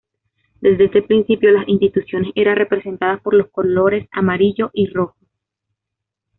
Desde este principio, las instituciones eran representadas por los colores Amarillo y Rojo.